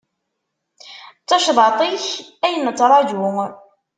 D tacḍaṭ-ik ay nettraǧu.